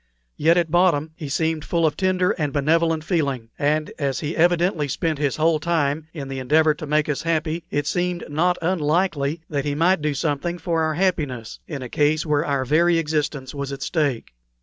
yet at bottom he seemed full of tender and benevolent feeling; and as he evidently spent his whole time in the endeavor to make us happy, it seemed not unlikely that he might do something for our happiness in a case where our very existence was at stake.